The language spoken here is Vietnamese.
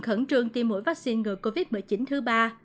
những trường tiêm mũi vaccine ngừa covid một mươi chín thứ ba